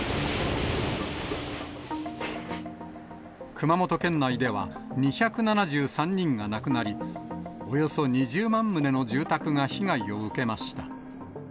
熊本県内では、２７３人が亡くなり、およそ２０万棟の住宅が被害を受けました。